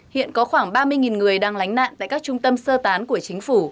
hiện có khoảng ba mươi người đang lánh nạn tại các trung tâm sơ tán của chính phủ